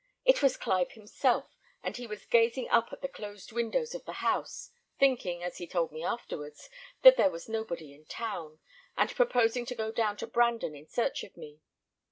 It was Clive himself; and he was gazing up at the closed windows of the house, thinking, as he told me afterwards, that there was nobody in town, and proposing to go down to Brandon in search of me.